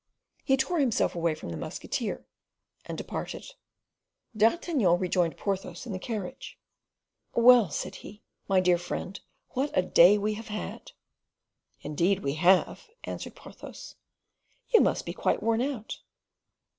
He tore himself away from the musketeer and departed. D'Artagnan rejoined Porthos in the carriage: "Well," said he, "my dear friend, what a day we have had!" "Indeed we have," answered Porthos. "You must be quite worn out."